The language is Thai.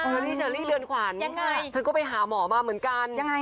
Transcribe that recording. เชอรี่เชอรี่เรือนขวานยังไงฉันก็ไปหาหมอมาเหมือนกันยังไงอ่ะ